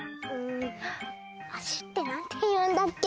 「足」ってなんていうんだっけ？